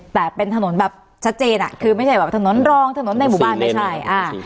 แต่เป็นถนนแบบชัดเจนอ่ะคือไม่ใช่แบบถนนรองถนนในหมู่บ้านไม่ใช่อ่า